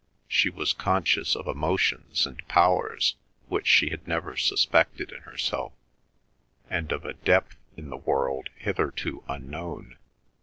She was conscious of emotions and powers which she had never suspected in herself, and of a depth in the world hitherto unknown.